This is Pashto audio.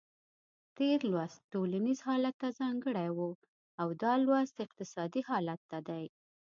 تېر لوست ټولنیز حالت ته ځانګړی و او دا لوست اقتصادي حالت ته دی.